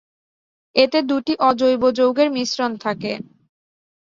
এতে দুটি অজৈব যৌগের মিশ্রণ থাকে।